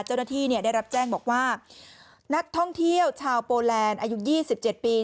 เจ้าหน้าที่ได้รับแจ้งบอกว่านักท่องเที่ยวชาวโปแลนด์อายุ๒๗ปี